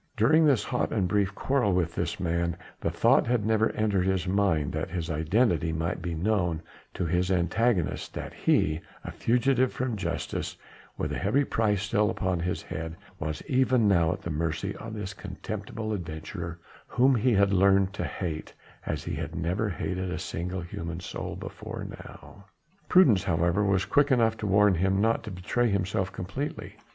During this hot and brief quarrel with this man, the thought had never entered his mind that his identity might be known to his antagonist, that he a fugitive from justice and with a heavy price still upon his head was even now at the mercy of this contemptible adventurer whom he had learnt to hate as he had never hated a single human soul before now. Prudence, however, was quick enough to warn him not to betray himself completely.